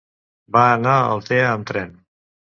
Va anar a Altea amb tren.